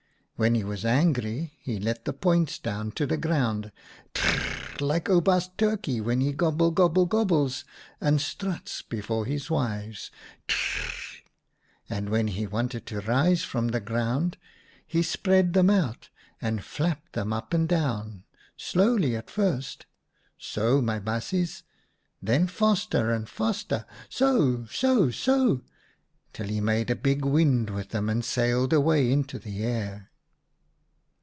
When he was angry he let the points down to the ground — tr r r r — like Oubaas Turkey when he gobble gobble gobbles and struts before his wives — tr r r r, and when he wanted to rise from the THE FLYING LION 109 ground he spread them out and flapped them up and down slowly at first — so, my baasjes ; then faster and faster — so, so, so — till he made a big wind with them and sailed away into the air."